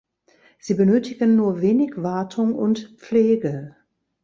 Sie benötigen nur wenig Wartung und Pflege.